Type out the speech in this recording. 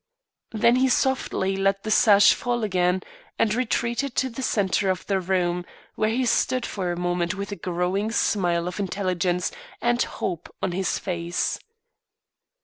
Then he softly let the sash fall again and retreated to the centre of the room, where he stood for a moment with a growing smile of intelligence and hope on his face.